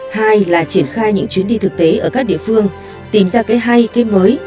hai là triển khai những chuyến đi thực tế ở các địa phương tìm ra cái hay cái mới